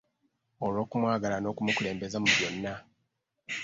Olw’okumwagala n’okumukulembeza mu byonna.